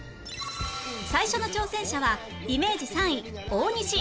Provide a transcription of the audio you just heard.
最初の挑戦者はイメージ３位大西